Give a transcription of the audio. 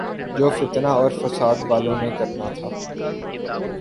جو فتنہ اورفسادوالوں نے کرنا تھا۔